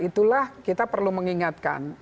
itulah kita perlu mengingatkan